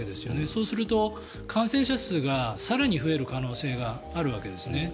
そうすると、感染者数が更に増える可能性があるわけですね。